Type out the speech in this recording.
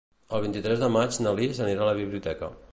El vint-i-tres de maig na Lis anirà a la biblioteca.